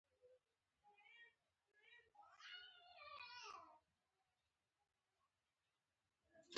زموږ په سره ساحل، د پښو پلونه یې لا پاتې دي